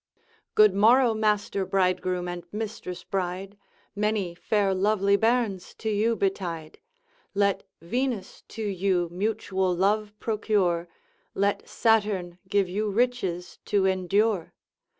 ——— Good morrow, master bridegroom, and mistress bride, Many fair lovely bairns to you betide! Let Venus to you mutual love procure, Let Saturn give you riches to endure.